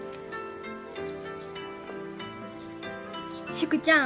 淑ちゃん